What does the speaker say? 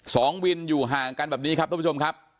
สองวินอยู่ห่างกันแบบนี้ครับทุกผู้ชมครับ